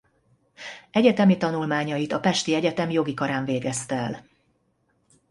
Egyetemi tanulmányait a pesti egyetem jogi karán végezte el.